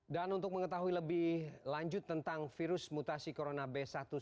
dan untuk mengetahui lebih lanjut tentang virus mutasi corona b satu ratus tujuh belas